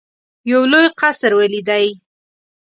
یو لوی قصر ولیدی.